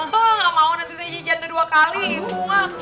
kamu nggak mau nanti saya jijanda dua kali bu mbak